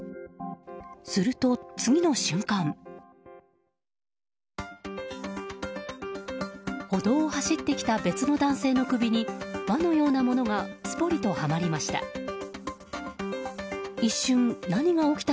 すると、次の瞬間歩道を走ってきた別の男性の首に輪のようなものがすぽりとはまりました。